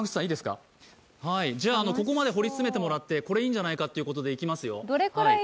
ここまで掘り進めもらってこれいいんじゃないかということでいきますよ。